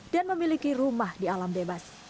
dan memiliki rumah di alam bebas